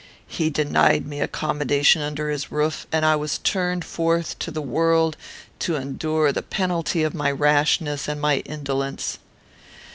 He denied me accommodation under his roof, and I was turned forth to the world to endure the penalty of my rashness and my indolence.